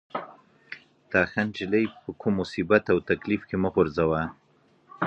دا ښه نجلۍ په کوم مصیبت او تکلیف کې مه غورځوه.